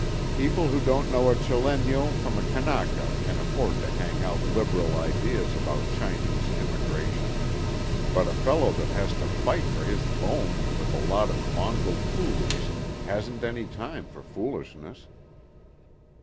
People who don't know a Chileño from a Kanaka can afford to hang out liberal ideas about Chinese immigration, but a fellow that has to fight for his bone with a lot of mongrel coolies hasn't any time for foolishness."